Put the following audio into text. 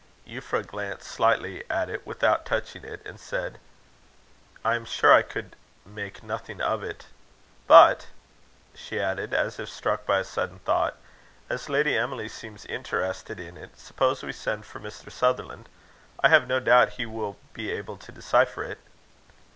Euphra glanced slightly at it without touching it, and said: "I am sure I could make nothing of it. But," she added, as if struck by a sudden thought, "as Lady Emily seems interested in it suppose we send for Mr. Sutherland. I have no doubt he will be able to decipher it."